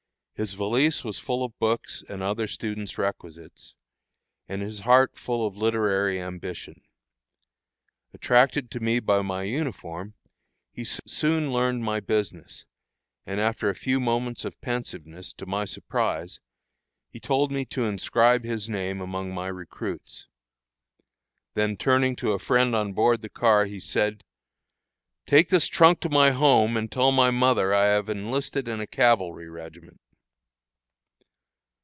His valise was full of books and other students' requisites, and his heart full of literary ambition. Attracted to me by my uniform, he soon learned my business, and, after a few moments of pensiveness, to my surprise, he told me to inscribe his name among my recruits. Then turning to a friend on board the car, he said, "Take this trunk to my home, and tell my mother I have enlisted in a cavalry regiment."